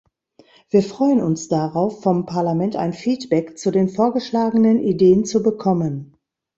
Wir freuen uns darauf, vom Parlament ein Feedback zu den vorgeschlagenen Ideen zu bekommen.